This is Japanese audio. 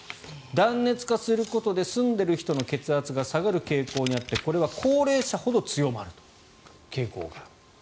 断熱化することで住んでいる人の血圧が下がる傾向にあってこれは高齢者ほど強まると傾向が。